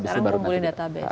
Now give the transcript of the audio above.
sekarang mengumpulkan database